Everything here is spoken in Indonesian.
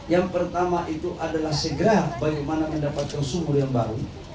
yang pertama itu adalah segera bagaimana mendapatkan sumur yang baru